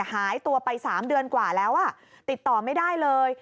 หายตัวไป๓เดือนกว่าแล้วติดต่อไม่ได้เลย